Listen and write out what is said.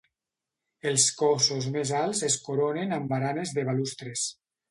Els cossos més alts es coronen amb baranes de balustres.